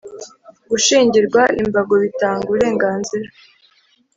Gushingirwa imbago bitanga uburenganzira